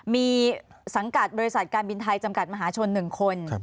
มีสังกัดบริษัทการบินไทยจำกัดมหาชน๑คน